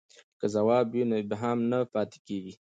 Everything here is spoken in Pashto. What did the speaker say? که ځواب وي نو ابهام نه پاتیږي.